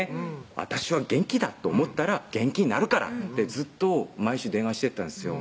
「私は元気だと思ったら元気になるから」ってずっと毎週電話してたんですよ